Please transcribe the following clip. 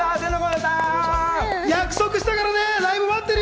約束したからね、ライブ待ってるよ！